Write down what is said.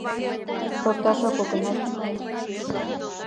— Шорташак огына тӱҥал.